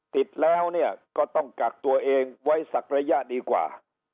ติดแล้วเนี่ยก็ต้องกักตัวเองไว้สักระยะดีกว่า